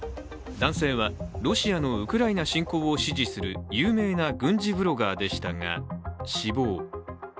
男性は、ロシアのウクライナ侵攻を支持する有名な軍事ブロガーでしたが、死亡。